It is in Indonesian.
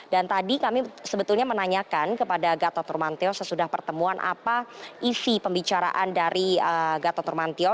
dan tadi kami sebetulnya menanyakan kepada gatot nurmantio sesudah pertemuan apa isi pembicaraan dari gatot nurmantio